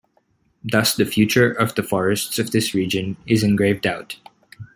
Thus, the future of the forests of this region is in grave doubt.